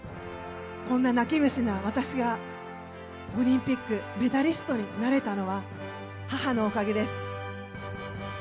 こんな泣き虫の私がオリンピックメダリストになれたのは母のおかげです。